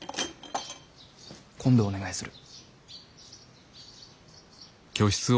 今度お願いする。